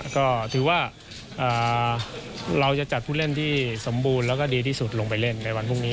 ก็ถือว่าเราจะจัดผู้เล่นที่สมบูรณ์แล้วก็ดีที่สุดลงไปเล่นในวันพรุ่งนี้